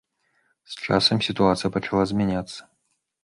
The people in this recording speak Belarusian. З часам, сітуацыя пачала змяняцца.